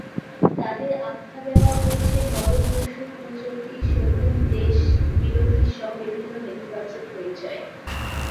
তাদের আখ্যা দেওয়া হয়েছে নরপশু, কুচক্রী, শকুন, দেশবিরোধীসহ বিভিন্ন নেতিবাচক পরিচয়ে।